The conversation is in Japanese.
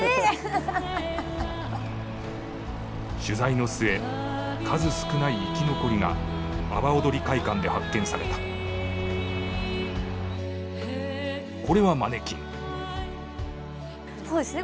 取材の末数少ない生き残りが阿波おどり会館で発見されたこれはマネキンそうですね